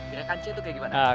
gerakan c itu kayak gimana